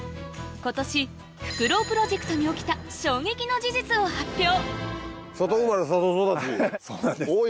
今年フクロウプロジェクトに起きた衝撃の事実を発表